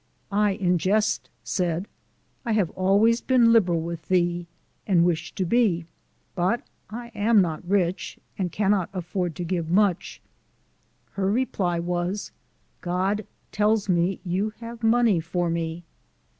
I, in jest, said, " I have al ways been liberal with thee, and wish to be ; but I am not rich, and cannot afford to give much." Her reply was :" God tells me you have money for me."